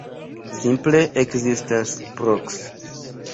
Simple ekzistas proks.